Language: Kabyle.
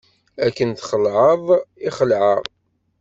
Akken txelεeḍ i xelεeɣ.